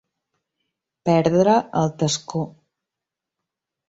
Perdre el tascó.